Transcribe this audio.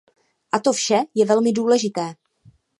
A to vše je velmi důležité.